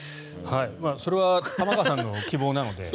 それは玉川さんの希望なので。